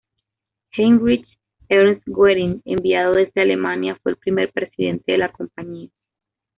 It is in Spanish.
Heinrich Ernst Goering, enviado desde Alemania, fue el primer presidente de la compañía.